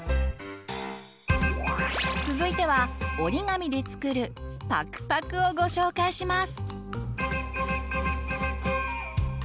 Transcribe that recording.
続いては折り紙で作る「パクパク」をご紹介します。